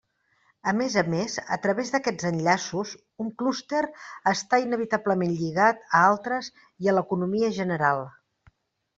A més a més, a través d'aquests enllaços, un clúster està inevitablement lligat a altres i a l'economia general.